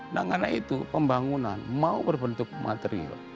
nah karena itu pembangunan mau berbentuk material